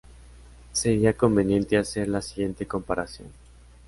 Sería conveniente hacer la siguiente comparación.